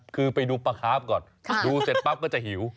คือไปดูปลาคาร์ฟก่อนดูเสร็จปั๊บก็จะหิว